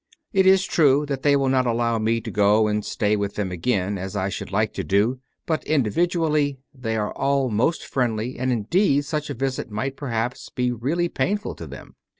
It is true that they will not allow me to go and stay with them again as I should like to do, but individually, they are all most friendly, and, indeed such a visit might perhaps be really painful to them.